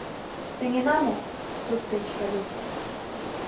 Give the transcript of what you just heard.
— «Сеҥена мо?» — туддеч йодыт.